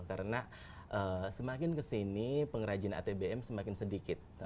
karena semakin kesini pengrajin atbm semakin sedikit